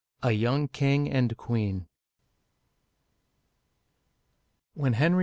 A YOUNG KING AND QUEEN WHEN Henry II.